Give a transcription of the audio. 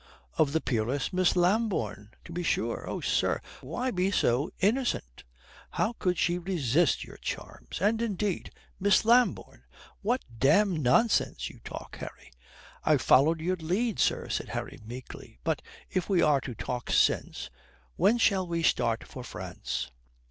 "Of the peerless Miss Lambourne, to be sure. Oh, sir, why be so innocent? How could she resist your charms? And indeed " "Miss Lambourne! What damned nonsense you talk, Harry." "I followed your lead, sir," said Harry meekly. "But if we are to talk sense when shall we start for France?"